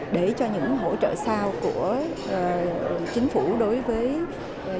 để cho những hỗ trợ sao của chính phủ đối với doanh nghiệp